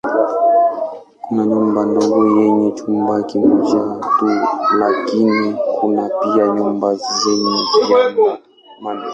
Kuna nyumba ndogo yenye chumba kimoja tu lakini kuna pia nyumba zenye vyumba mamia.